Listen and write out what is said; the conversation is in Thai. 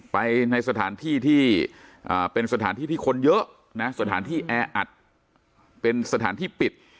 ไปในสถานที่ที่เป็นสถานที่ที่คนเยอะนะสถานที่แออัดเป็นสถานที่ปิด